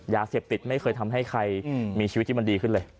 ยาเสพติดไม่เคยทำให้ใครมีชีวิตที่มันดีขึ้นเลย